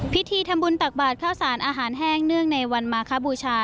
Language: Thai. พิธีทำบุญตักบาทข้าวสารอาหารแห้งเนื่องในวันมาคบูชา